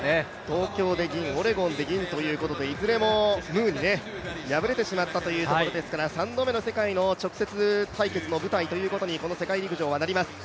東京で銀、オレゴンで銀ということでいずれもムーに敗れてしまったというところですから、３度目の世界の直接対決というこの世界陸上はなります。